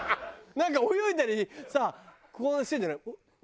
なんか泳いだりさこうしてるじゃない。